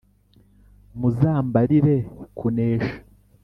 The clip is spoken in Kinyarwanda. muzambarire kunesha